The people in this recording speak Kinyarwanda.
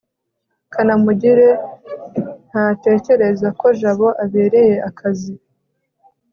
kanamugire ntatekereza ko jabo abereye akazi